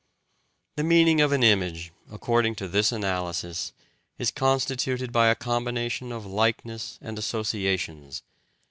The meaning of an image, according to this analysis, is constituted by a combination of likeness and associations.